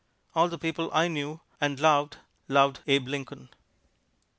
All the people I knew and loved, loved Abe Lincoln.